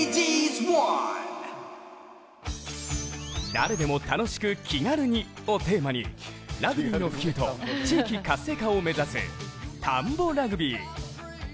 「誰でも楽しく気軽に」をテーマにラグビーの普及と地域活性化を目指すたんぼラグビー。